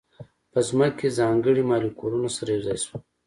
په ځمکه کې ځانګړي مالیکولونه سره یو ځای شول.